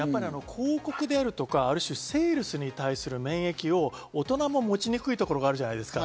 広告であるとかセールスに対する免疫を大人も持ちにくいところがあるじゃないですか。